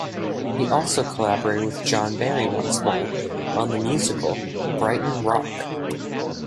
He also collaborated with John Barry once more, on the musical "Brighton Rock".